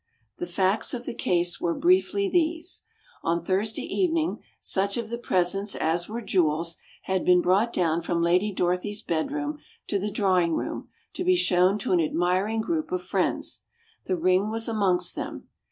The facts of the case were briefly these: On Thursday evening such of the presents as were jewels had been brought down from Lady Dorothy's bedroom to the drawing room to be shown to an admiring group of friends. The ring was amongst them.